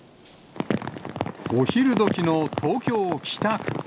お昼どきの東京・北区。